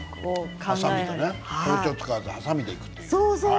包丁を使わずはさみでいくという。